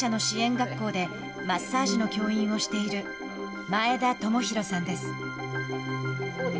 学校でマッサージの教員をしている前田智洋さんです。